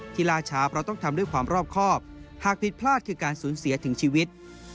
ล่าช้าเพราะต้องทำด้วยความรอบครอบหากผิดพลาดคือการสูญเสียถึงชีวิต